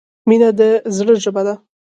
مینه د زړه ژبه ده.